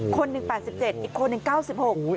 คน๑เป็น๘๗อีกคน๑เป็น๙๖